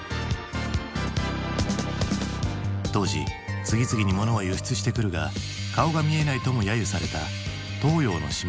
当時次々に物を輸出してくるが顔が見えないともやゆされた東洋の島国。